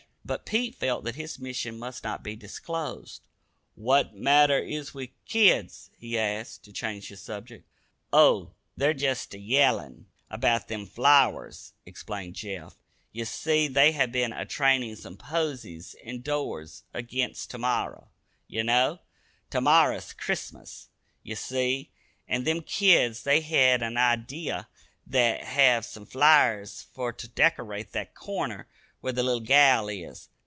But Pete felt that his mission must not be disclosed. "What matter is with kids?" he asked, to change the subject. "Oh, they're jest a yellin' about them flowers," explained Jeff. "Ye see they hev been a trainin' some posies indoors against ter morrer, ye know. Ter morrer's Christmas, ye see, an' them kids they hed an idee they'd hev some flowers fer ter dekerate thet corner where the little gal is.